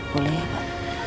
boleh ya pak